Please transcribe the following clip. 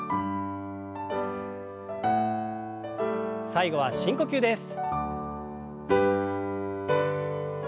最後は深呼吸です。